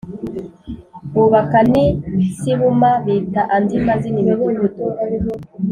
Bubaka n i Sibuma bita andi mazina imidugudu